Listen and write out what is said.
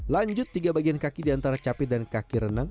lanjut tiga bagian kaki di antara capit dan kaki renang